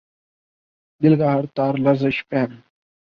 دل کا ہر تار لرزش پیہم